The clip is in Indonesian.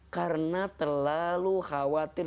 karena terlalu khawatir